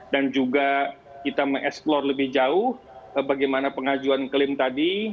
dan juga kita mengeksplor lebih jauh bagaimana pengajuan klaim tadi